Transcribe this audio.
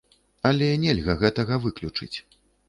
Але нельга гэтага выключыць.